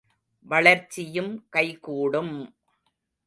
வளர்ச்சியும் கை கூடும்!